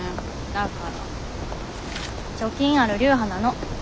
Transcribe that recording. だから貯金ある流派なの。